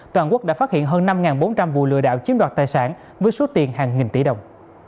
toàn quốc đã phát hiện hơn năm bốn trăm linh vụ lừa đảo chiếm đoạt tài sản với số tiền hàng nghìn tỷ đồng